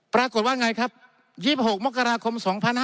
ปรากฏว่าไงครับ๒๖มกราคม๒๕๕๙